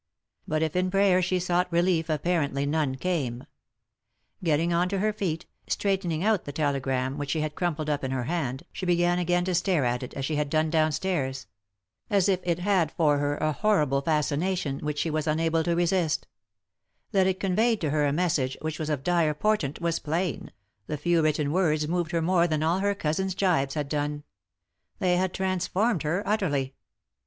But if in prayer she sought relief apparently none came. Getting on to her feet, straightening out the telegram, which she had crumpled up in her hand, she began again to stare at it as she had done downstairs ; as if it had for her a horrible fascination which she was unable to resist That it conveyed to her a message which was of dire portent was plain ; the few written words moved her more than all her cousin's gibes had done — they had transformed her utterly.